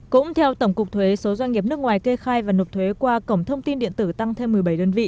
cũng theo tổng cục thuế số doanh nghiệp nước ngoài kê khai và nộp thuế qua cổng thông tin điện tử tăng thêm một mươi bảy đơn vị